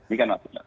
ini kan maksudnya